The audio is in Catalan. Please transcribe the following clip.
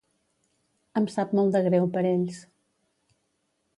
Em sap molt de greu per ells.